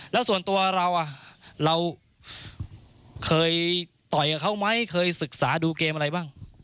แล้วส่วนตัวเราเราเคยต่อยกับเขาไหมเคยศึกษาดูเกมอะไรบ้าง